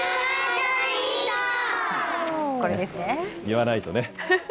言わないとね。